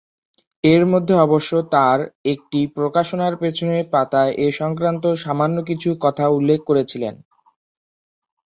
এর মধ্যে অবশ্য তার একটি প্রকাশনার পিছনের পাতায় এ সংক্রান্ত সামান্য কিছু কথা উল্লেখ করেছিলেন।